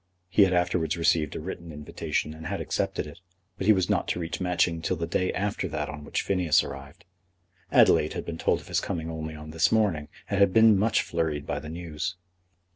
He had afterwards received a written invitation and had accepted it; but he was not to reach Matching till the day after that on which Phineas arrived. Adelaide had been told of his coming only on this morning, and had been much flurried by the news.